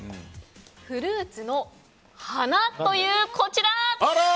フルーツの花という、こちら。